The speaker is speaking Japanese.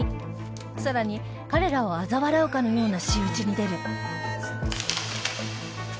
さらに彼らをあざ笑うかのような仕打ちに出る